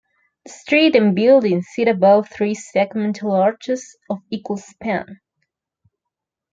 The street and buildings sit above three segmental arches of equal span.